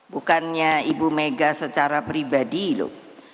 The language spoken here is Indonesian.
bukannya ibu mega secara pribadi loh